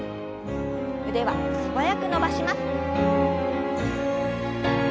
腕は素早く伸ばします。